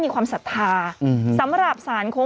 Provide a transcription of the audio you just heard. ครับ